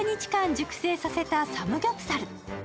熟成させたサムギョプサル。